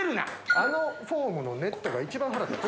あのフォームのネットが一番腹立つ。